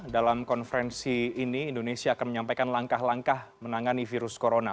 dalam konferensi ini indonesia akan menyampaikan langkah langkah menangani virus corona